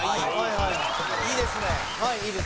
いいですね